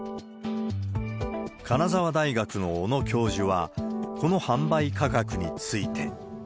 金沢大学の小野教授は、この販売価格について。